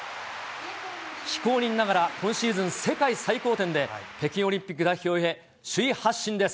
非公認ながら、今シーズン世界最高点で、北京オリンピック代表へ、首位発進です。